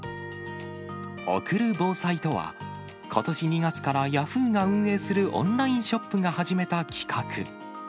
おくる防災とは、ことし２月からヤフーが運営するオンラインショップが始めた企画。